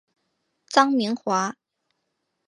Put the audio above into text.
臧明华。